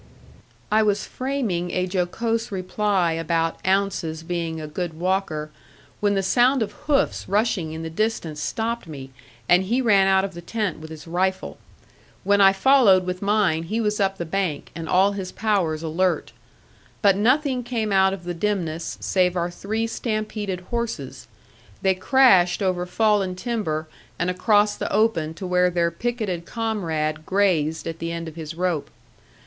I was framing a jocose reply about Ounces being a good walker, when the sound of hoofs rushing in the distance stopped me, and he ran out of the tent with his rifle. When I followed with mine he was up the bank, and all his powers alert. But nothing came out of the dimness save our three stampeded horses. They crashed over fallen timber and across the open to where their picketed comrade grazed at the end of his rope.